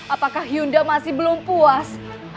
apakah hyunda masih belum puas